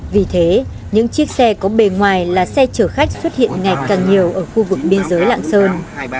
vì thế những chiếc xe có bề ngoài là xe chở khách xuất hiện ngày càng nhiều ở khu vực biên giới lạng sơn